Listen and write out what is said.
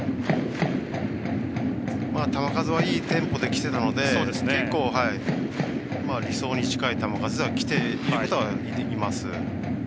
球数はいいテンポできてたので結構、理想に近い球数できているとは思います。